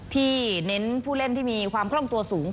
เน้นผู้เล่นที่มีความคล่องตัวสูง